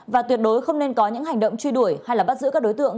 và tuyệt đối không nên có những hành động truy đuổi hay bắt giữ các đối tượng